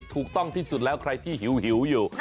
ถูกต้องที่สุดแล้วใครที่หิวอยู่